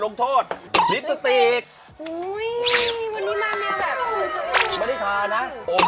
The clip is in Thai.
ไอนัททำพี่ไอนี่ทำ